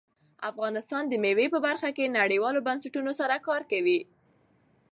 افغانستان د مېوې په برخه کې نړیوالو بنسټونو سره کار کوي.